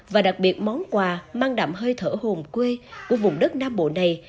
và đặc biệt món quà mang đậm hơi thở hồn quê của vùng đất nam bộ này